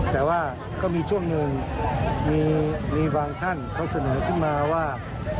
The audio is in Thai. แต่ว่าก็มีช่วงหนึ่งมีบางท่านเขาเสนอขึ้นมาว่า